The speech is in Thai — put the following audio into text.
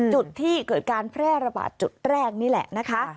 จุดที่เกิดการแพร่ระบาดจุดแรกนี่แหละนะคะ